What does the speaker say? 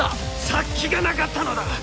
殺気がなかったのだ！